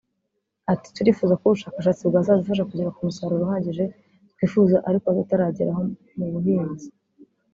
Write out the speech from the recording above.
Ati ”Turifuza ko ubushakashatsi bwazadufasha kugera ku musaruro uhagije twifuza ariko tutarageraho mu buhinzi